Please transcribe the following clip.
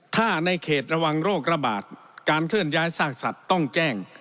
ถ้าในเขตระวังโรคระบาดการเคลื่อนย้ายซากสัตว์ต้องแจ้ง